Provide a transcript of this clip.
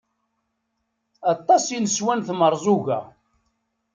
Aṭas i neswa n tmerẓuga.